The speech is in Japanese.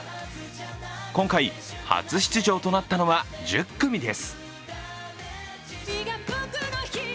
今回、初出場となったのは１０組です。